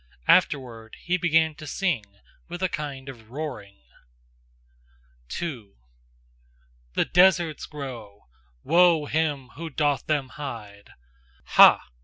Afterward he began to sing with a kind of roaring. 2. THE DESERTS GROW: WOE HIM WHO DOTH THEM HIDE! Ha!